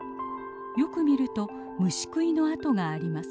よく見ると虫食いの跡があります。